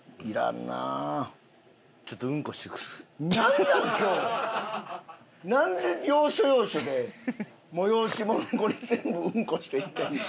なんで要所要所で催し全部うんこしていってんねん？